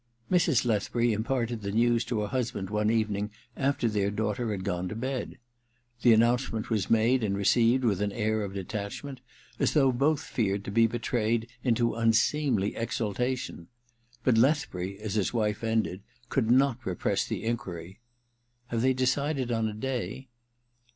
Mrs. Lethbury imparted the news to her husband one evening after their daughter had gone to bed. The announcement was made and received with an air of detachment, as though both feared to be betrayed into un seemly exultation ; but Lethbury, as his wife ended, could not repress the enquiry, *Have they decided on a day